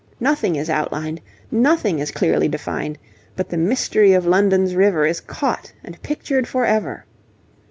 Nothing is outlined, nothing is clearly defined, but the mystery of London's river is caught and pictured for ever.